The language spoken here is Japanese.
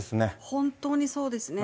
本当にそうですね。